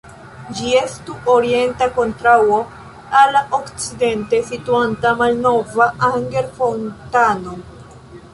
Ĝi estu orienta kontraŭo al la okcidente situanta Malnova Anger-fontano.